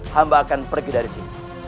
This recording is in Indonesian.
hamba akan pergi dari sini